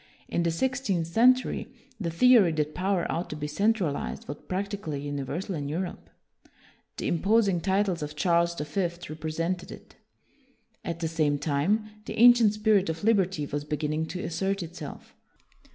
In the sixteenth century, the theory that power ought to be centralized was prac tically universal in Europe. The impos ing titles of Charles the Fifth represented it. At the same time, the ancient spirit of liberty was beginning to assert itself.